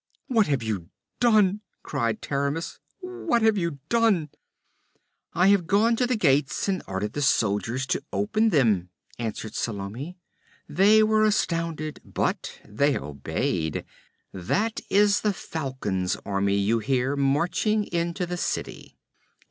'What have you done?' cried Taramis. 'What have you done?' 'I have gone to the gates and ordered the soldiers to open them,' answered Salome. 'They were astounded, but they obeyed. That is the Falcon's army you hear, marching into the city.'